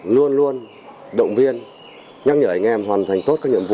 luôn luôn động viên nhắc nhở anh em hoàn thành tốt các nhiệm vụ